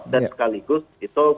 dan sekaligus itu